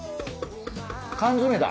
缶詰だ！